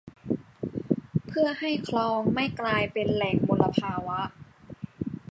เพื่อให้คลองไม่กลายเป็นแหล่งมลภาวะ